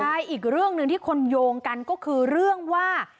ใช่อีกเรื่องหนึ่งที่คนโยงกันก็คือเรื่องว่า